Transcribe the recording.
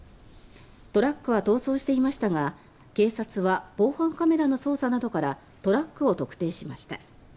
トラックは逃走していましたが警察は防犯カメラの捜査などからトラックを特定しました。